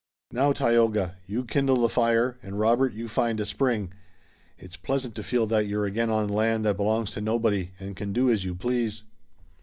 Now, Tayoga, you kindle the fire, and Robert, you find a spring. It's pleasant to feel that you're again on land that belongs to nobody, and can do as you please."